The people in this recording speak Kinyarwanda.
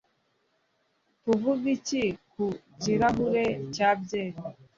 tuvuge iki ku kirahure cya byeri